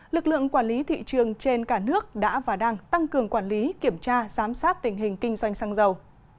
lực lượng quản lý thị trường trên cả nước đã và đang tăng cường quản lý kiểm tra giám sát tình hình kinh doanh xăng dầu